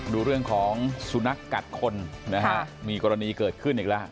ดูเรื่องของสุนัขกัดคนนะฮะมีกรณีเกิดขึ้นอีกแล้ว